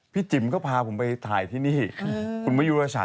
จิ๋มก็พาผมไปถ่ายที่นี่คุณมะยุรศาส